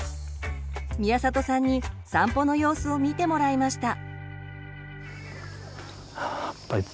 宮里さんに散歩の様子を見てもらいました。